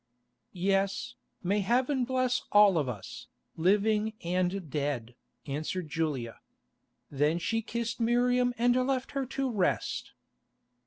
"Yes, may Heaven bless all of us, living and dead," answered Julia. Then she kissed Miriam and left her to her rest.